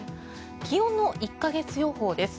気温の１か月予報です。